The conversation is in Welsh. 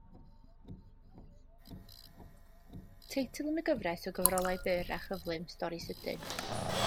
Teitl yn y gyfres o gyfrolau byr a chyflym Stori Sydyn.